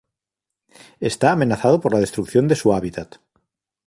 Está amenazado por la destrucción de su hábitat.